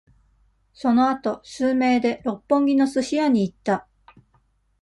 そのあと、数名で、六本木のスシ屋に行った。